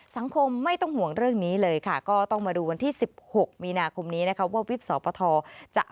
สังคมไม่ต้องห่วงเรื่องนี้เลยค่ะ